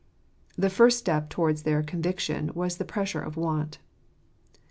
The First Step towards their Conviction was the Pressure of Want.